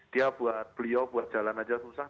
dia buat beliau buat jalan aja susah